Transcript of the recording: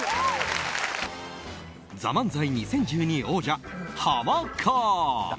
「ＴＨＥＭＡＮＺＡＩ２０１２」王者、ハマカーン。